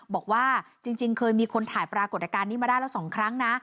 บอกว่าจริงเคยมีคนถ่ายปรากฏการณ์นี้มาได้แล้ว๒ครั้งนะ